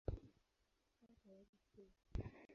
Kaa tayari kula.